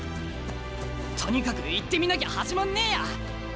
とにかく行ってみなきゃ始まんねえや。